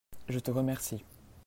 je te remercie.